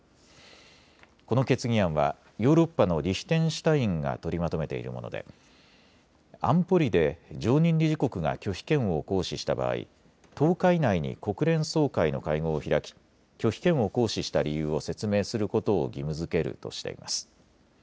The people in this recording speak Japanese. この決議案はヨーロッパのリヒテンシュタインが取りまとめているもので安保理で常任理事国が拒否権を行使した場合、１０日以内に国連総会の会合を開き拒否権を行使した理由を説明することを義務づけるとしています。